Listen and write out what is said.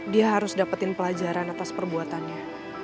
dia harus dapetin pelajaran atas perbuatannya